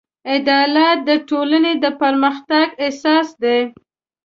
عدالت د ټولنې د پرمختګ اساس دی.